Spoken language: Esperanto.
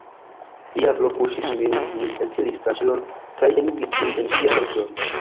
Diablo puŝis min, mi eltiris tranĉilon kaj enigis ĝin en ŝian gorĝon.